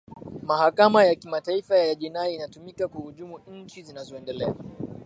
mahakama ya kimataifa ya jinai inatumika kuhujumu nchi zinazoendelea